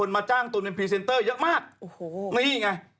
แต่ชนะไป๘คดีอะ